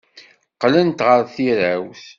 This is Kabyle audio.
Qqlent ɣer tirawt.